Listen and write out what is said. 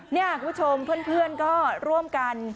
นี่คุณผู้ชมเพื่อนก็ร่วมกัน